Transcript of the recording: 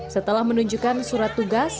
setelah menunjukkan surat tugas